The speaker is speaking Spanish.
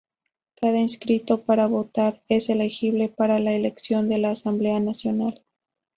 Cada inscrito para votar es elegible para la elección de la Asamblea Nacional.